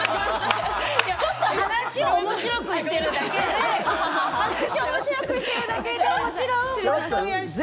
ちょっと話を面白くしてるだけで話を面白くしてるだけでもちろん申し込みはして。